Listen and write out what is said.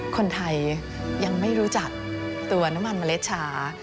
คนไทยยังไม่รู้จักตัวน้ำมันเมล็ดชา